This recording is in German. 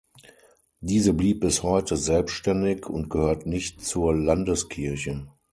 Diese blieb bis heute selbständig und gehört nicht zur Landeskirche.